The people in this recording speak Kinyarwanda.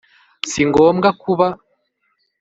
si ngombwa kuba